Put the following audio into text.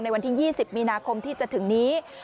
วันที่๒๐มีนาคมที่จะถึงนี้